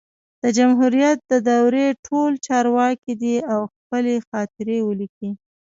د جمهوریت د دورې ټول چارواکي دي او خپلي خاطرې ولیکي